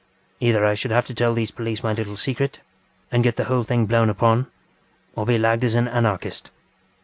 Either I should have to tell these police my little secret, and get the whole thing blown upon, or be lagged as an Anarchist.